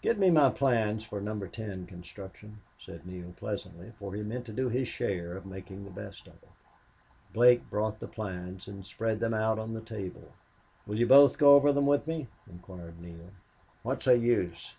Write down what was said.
"Get me my plans for Number Ten construction," said Neale, pleasantly, for he meant to do his share at making the best of it. Blake brought the plans and spread them out on the table. "Will you both go over them with me?" inquired Neale. "What's the use?"